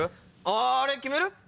あっあれ決める？